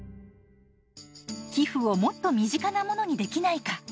寄付をもっと身近なものにできないか？